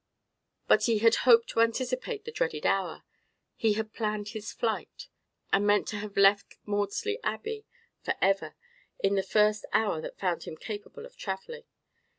But he had hoped to anticipate the dreaded hour. He had planned his flight, and meant to have left Maudesley Abbey for ever, in the first hour that found him capable of travelling.